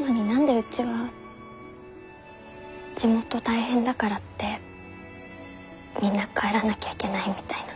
なのに何でうちは地元大変だからってみんな帰らなきゃいけないみたいな。